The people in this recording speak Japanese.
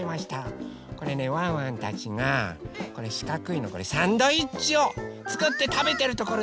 これねワンワンたちがこれしかくいのこれサンドイッチをつくってたべてるところです。